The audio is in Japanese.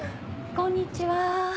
こんにちは。